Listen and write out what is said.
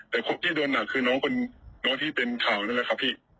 แต่คนที่โดนหนักคือน้องที่เป็นข่าวนั่นแหละครับพี่